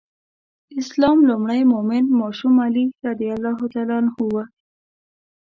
د اسلام لومړی مؤمن ماشوم علي رض و.